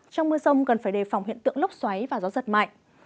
trong mưa sông cần phải đề phòng hiện tượng lốc xoáy và gió giật mạnh